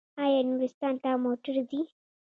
آیا نورستان ته موټر ځي؟